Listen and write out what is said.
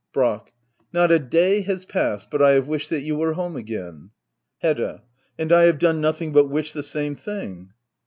Brack. Not a day has passed but I have wished that you were home again. HEDDAt And I have done nothing but wish the same thing.